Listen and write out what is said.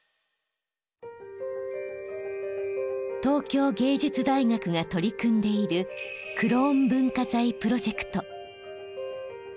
東京藝術大学が取り組んでいる「クローン文化財」プロジェクト。